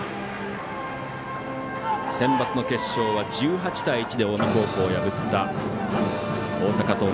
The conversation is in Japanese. センバツの決勝は１８対１で近江高校を破った大阪桐蔭。